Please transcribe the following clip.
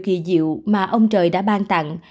kỳ diệu mà ông trời đã ban tặng